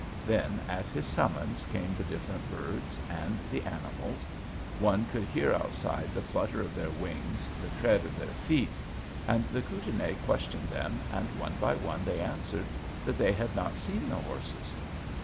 "Then, at his summons, came the different birds and the animals; one could hear outside the flutter of their wings, the tread of their feet; and the Kootenai questioned them, and one by one they answered that they had not seen the horses.